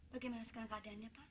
bagaimana sekarang keadaannya pak